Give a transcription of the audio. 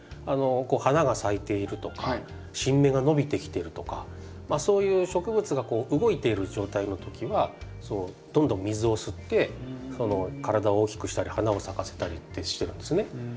花が咲いているとか新芽が伸びてきてるとかそういう植物が動いてる状態の時はどんどん水を吸って体を大きくしたり花を咲かせたりってしてるんですね。